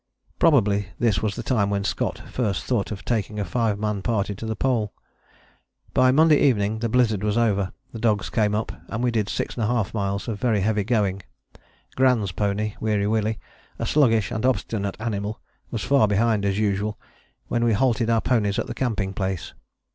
Probably this was the time when Scott first thought of taking a five man party to the Pole. By Monday evening the blizzard was over, the dogs came up, and we did 6½ miles of very heavy going. Gran's pony, Weary Willie, a sluggish and obstinate animal, was far behind, as usual, when we halted our ponies at the camping place.